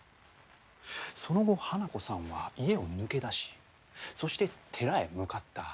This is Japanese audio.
その後花子さんは家を抜け出しそして寺へ向かった。